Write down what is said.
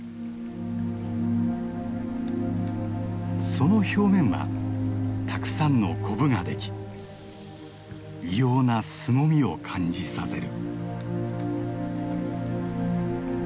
その表面はたくさんのコブができ異様なすごみを感じさせる。